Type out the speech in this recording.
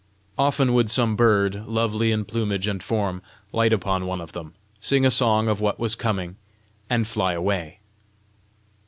Often would some bird, lovely in plumage and form, light upon one of them, sing a song of what was coming, and fly away.